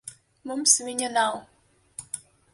Mums viņa nav.